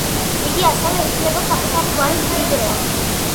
იგი ასევე ითვლება საკუთარი გვარის ლიდერად.